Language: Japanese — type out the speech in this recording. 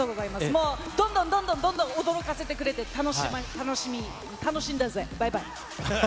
もうどんどんどんどん驚かせてくれて、楽しみ、楽しんだぜ、バイバイ。